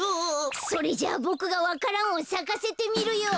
それじゃボクがわか蘭をさかせてみるよ。